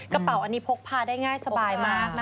กระเป๋าอันนี้พกพาได้ง่ายสบายมากนะคะ